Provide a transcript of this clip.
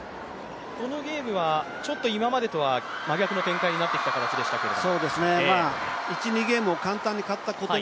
このゲームは、ちょっと今までとは真逆の展開になってきた形でしたけど。